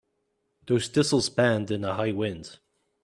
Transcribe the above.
Those thistles bend in a high wind.